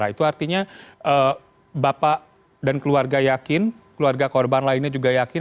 itu artinya bapak dan keluarga yakin keluarga korban lainnya juga yakin